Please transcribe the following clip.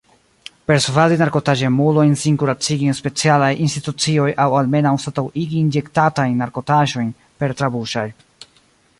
Persvadi narkotaĵemulojn sin kuracigi en specialaj institucioj aŭ almenaŭ anstataŭigi injektatajn narkotaĵojn per trabuŝaj.